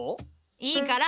いいから。